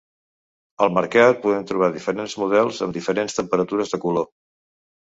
Al mercat podem trobar diferents models amb diferents temperatures de color.